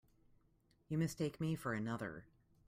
You mistake me for another.